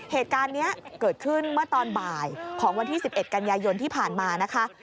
เหตุการณ์นี้เกิดขึ้นเมื่อตอนบ่ายของวันที่๑๑กันยายนที่ผ่านมานะคะ